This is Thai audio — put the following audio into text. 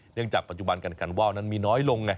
เนื่องจากปัจจุบันกันกันว่าวนั้นมีน้อยลง